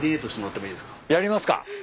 やりますか。